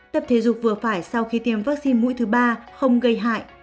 tập thể dục vừa phải sau khi tiêm vaccine mũi thứ ba không gây hại